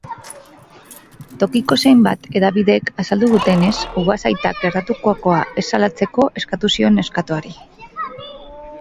Tokiko zenbait hedabidek azaldu dutenez, ugazaitak gertatutakoa ez salatzeko eskatu zion neskatoari.